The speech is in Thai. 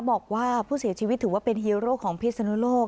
บอกว่าผู้เสียชีวิตถือว่าเป็นฮีโร่ของพิศนุโลก